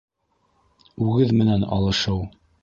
ҮГЕҘ МЕНӘН АЛЫШЫУ